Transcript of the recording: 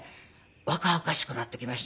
若々しくなってきました。